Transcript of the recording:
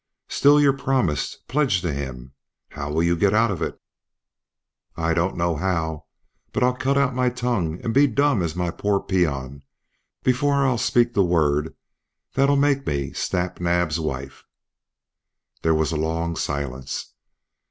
"Still you're promised, pledged to him! How'll you get out of it?" "I don't know how. But I'll cut out my tongue, and be dumb as my poor peon before I'll speak the word that'll make me Snap Naab's wife." There was a long silence.